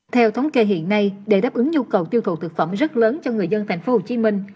theo thống kê hiện nay để đáp ứng nhu cầu tiêu thụ thực phẩm rất lớn cho người dân tp hcm